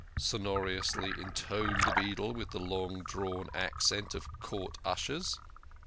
" sonorously intoned the beadle with the long drawn accent of court ushers.